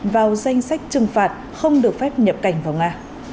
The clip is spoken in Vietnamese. vào danh sách trừng phạt không được phép nhập cảnh vào nga